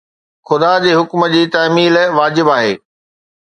خدا جي حڪم جي تعميل واجب آهي